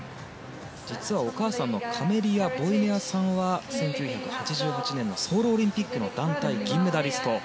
実は、お母さんのカメリア・ボイネアさんは１９８８年のソウルオリンピック団体銀メダリスト。